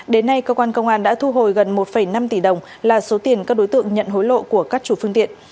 đến nay cơ quan công an đã thu hồi gần một năm tỷ đồng là số tiền các đối tượng nhận hối lộ của các chủ phương tiện